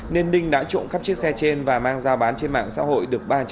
nên ninh đã trộm cắp chiếc xe trên và mang ra bán trên mạng xã hội